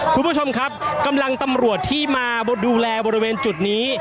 คุณผู้ชมครับกำลังตำรวจที่มาดูแลบริเวณจุดนี้